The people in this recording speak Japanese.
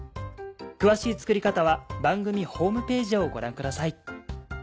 詳しい作り方は番組ホームページをご覧ください。